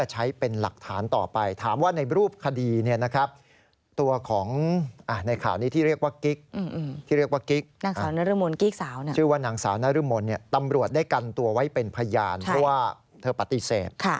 ให้เป็นพยานเพราะว่าเธอปฏิเสธ